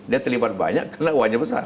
dia terlibat banyak karena uangnya besar